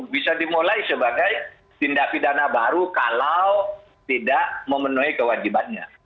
bisa dimulai sebagai tindak pidana baru kalau tidak memenuhi kewajibannya